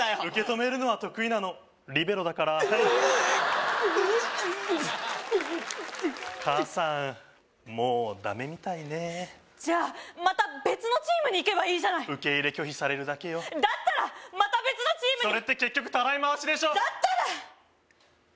受けとめるのは得意なのリベロだから母さんもうダメみたいねじゃあまた別のチームに行けばいいじゃない受け入れ拒否されるだけよだったらまた別のチームにそれって結局たらい回しでしょだったら！